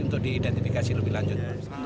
untuk diidentifikasi lebih lanjut